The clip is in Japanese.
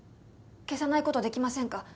消さないことできませんか？